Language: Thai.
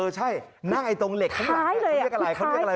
ใช่นั่งไอ้ตรงเหล็กข้างหลังเขาเรียกอะไรเขาเรียกอะไร